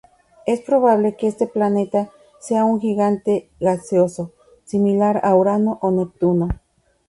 Es probable que este planeta sea un gigante gaseoso, similar a Urano o Neptuno.